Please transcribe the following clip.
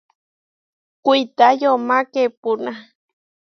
Kuitá yomá keepúna.